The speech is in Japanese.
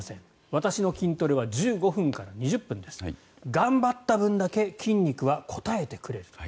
私の筋トレは１５分から２０分です頑張った分だけ筋肉は応えてくれる。